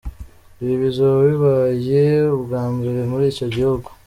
Ibi bizoba bibaye ubwambere mur'ico gihugu.